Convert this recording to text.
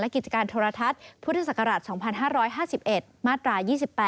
และกิจการโทรทัศน์พศ๒๕๕๑มาตรา๒๘